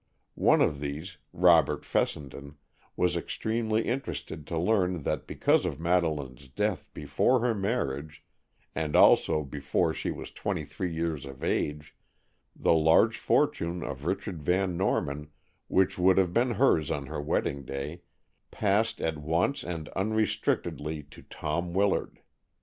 One of these, Robert Fessenden, was extremely interested to learn that because of Madeleine's death before her marriage, and also before she was twenty three years of age, the large fortune of Richard Van Norman, which would have been hers on her wedding day, passed at once and unrestrictedly to Tom Willard.